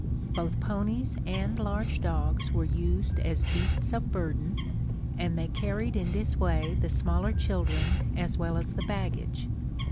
Both ponies and large dogs were used as beasts of burden, and they carried in this way the smaller children as well as the baggage.